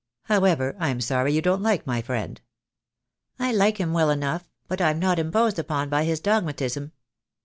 However, I'm sorry you don't like my friend." "I like him wTell enough, but I am not imposed upon by his dogmatism."